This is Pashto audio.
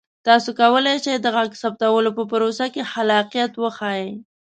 تاسو کولی شئ د غږ ثبتولو په پروسه کې خلاقیت وښایئ.